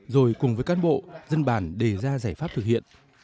rồi cùng với các bộ dân bản đề ra giải pháp thực hiện